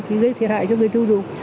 thì gây thiệt hại cho người tiêu dùng